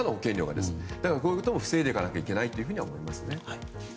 だからこういうことも防いでいかないといけないと思います。